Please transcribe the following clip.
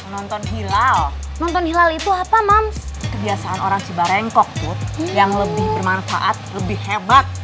nonton hilal nonton hilal itu apa mams kebiasaan orang cibarengkok tuh yang lebih bermanfaat lebih hebat